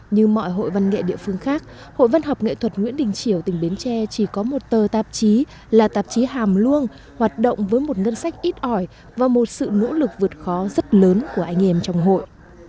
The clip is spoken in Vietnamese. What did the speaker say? như mọi hội văn nghệ địa phương khác hội văn học nghệ thuật nguyễn đình triều tỉnh bến tre chỉ có một tờ tạp chí là tạp chí hàm luông hoạt động với một ngân sách ít ỏi và một sự nỗ lực vượt khó rất lớn của anh em trong hội